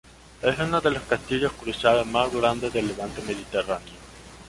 Es uno de los castillos cruzados más grandes del Levante mediterráneo.